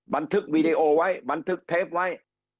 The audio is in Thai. บันทึกวีดีโอไว้บันทึกเทปไว้